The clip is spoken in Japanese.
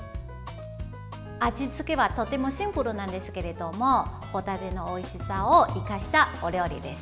味付けはとてもシンプルなんですけれども帆立てのおいしさを生かしたお料理です。